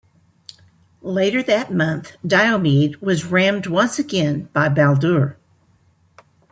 Later that month, "Diomede" was rammed once again by "Baldur".